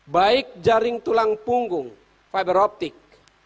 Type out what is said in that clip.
baik jaring tulang punggung fiberoptik